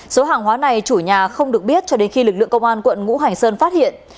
số hàng hóa này chủ nhà không được biết cho đến khi lực lượng công an quận ngũ hành sơn phát hiện